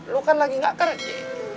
lo kan lagi gak kerja